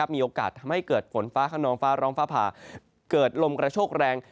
มีโอกาสทำให้เกิดฝนฟ้าขนองฟ้าร้องฟ้าผ่าเกิดลมกระโชกแรง